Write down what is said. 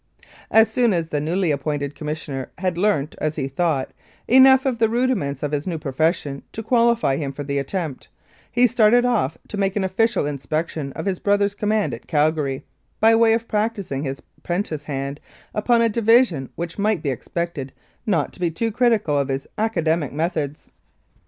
As soon as the newly appointed Commissioner had learnt, as he thought, enough of the rudiments of his new profession to qualify him for the attempt, he started off to make an official inspection of his brother's command at Calgary, by way of practising his 'prentice hand upon a division which might be expected not to be too critical of his academic methods.